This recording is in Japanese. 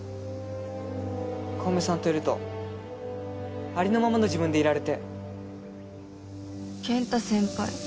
小梅さんといるとありのままの自分でいられて健太先輩